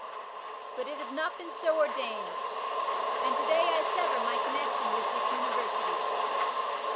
But it has not been so ordained, and to day I sever my connexion with this University.